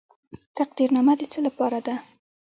تقدیرنامه د څه لپاره ده؟